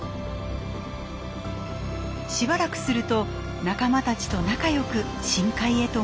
しばらくすると仲間たちと仲良く深海へと潜っていきました。